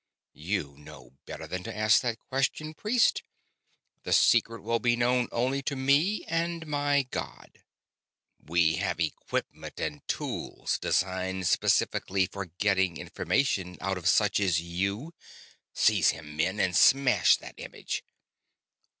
"You know better than to ask that question, priest. That secret will be known only to me and my god." "We have equipment and tools designed specifically for getting information out of such as you. Seize him, men, and smash that image!"